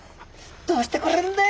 どうしてくれるんだ